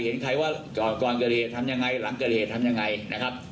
เห็นใครว่าจอดก่อนเกิดเหตุทำยังไงหลังเกิดเหตุทำยังไงนะครับ